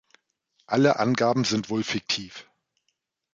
Alle Angaben sind wohl fiktiv.